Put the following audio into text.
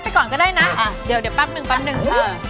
แค็กก่อนก็ได้นะเดี๋ยวปั๊บหนึ่ง